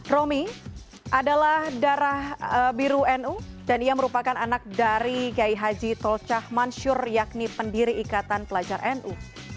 romi adalah darah biru nu dan ia merupakan anak dari gaihaji tolcah mansur yakni pendiri ikatan pelajar nu